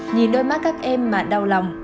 nhìn đôi mắt các em mà đau lòng